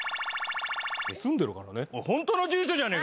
住んでるからね。